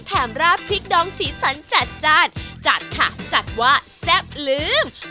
ราดพริกดองสีสันจัดจ้านจัดค่ะจัดว่าแซ่บลืม